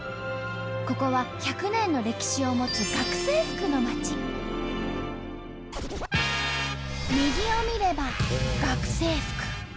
ここは１００年の歴史を持つ右を見れば「学生服」。